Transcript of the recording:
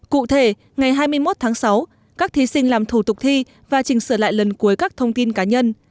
cụ thể ngày hai mươi một tháng sáu các thí sinh làm thủ tục thi và chỉnh sửa lại lần cuối các thông tin cá nhân